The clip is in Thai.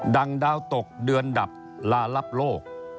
ดาวตกเดือนดับลารับโลก